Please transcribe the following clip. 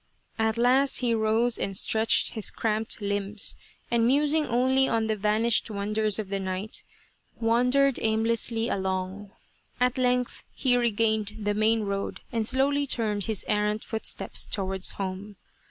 At last he rose and stretched his cramped limbs, and musing only on the vanished wonders of the night, wandered aimlessly along. At length he regained the main road and slowly turned his errant footsteps towards home.